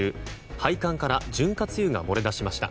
配管から潤滑油が漏れ出しました。